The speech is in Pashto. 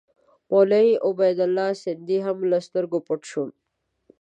مولوي عبیدالله سندي هم له سترګو پټ شو.